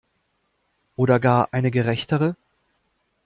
Oder gar eine gerechtere?